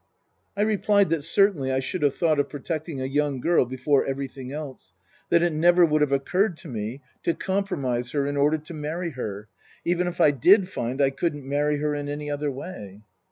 I replied that certainly I should have thought of pro tecting a young girl before everything else ; that it never would have occurred to me to compromise her in order to marry her even if I did find I couldn't marry her in any other way.